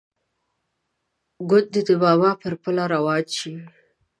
ګوندې د بابا پر پله روان شي.